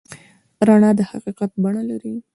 رڼا د حقیقت بڼه لري.